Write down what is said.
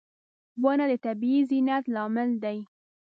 • ونه د طبیعي زینت لامل دی.